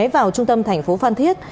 vào trung tâm tp phan thiết